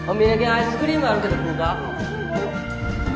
アイスクリームあるけど食うか？